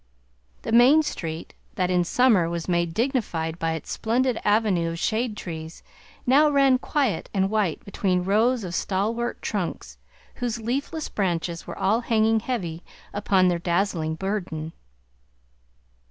The main street, that in summer was made dignified by its splendid avenue of shade trees, now ran quiet and white between rows of stalwart trunks, whose leafless branches were all hanging heavy under their dazzling burden.